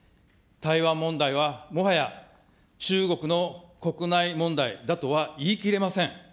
台湾問題はもはや中国の国内問題だとは言い切れません。